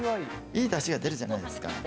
いいダシが出るじゃないですか。